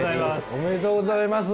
おめでとうございます。